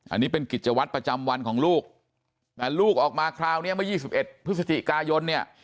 อันนี้เป็นกิจวัตรประจำวันของลูกแต่ลูกออกมาคราวนี้เมื่อ๒๑พฤศจิกายนเนี่ย